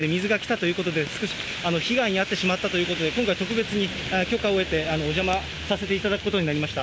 今回、お店の中にまで水がきたということで、少し被害に遭ってしまったということで、今回、特別に許可を得て、お邪魔させていただくことになりました。